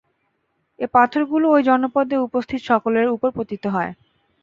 এ পাথরগুলো ঐ জনপদে উপস্থিত সকলের উপর পতিত হয়।